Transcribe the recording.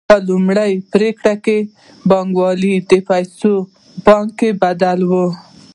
په لومړي پړاو کې پانګوال د پیسو پانګه بدلوي